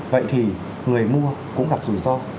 vậy thì người mua cũng gặp rủi ro